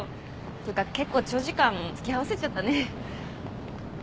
ていうか結構長時間付き合わせちゃったね。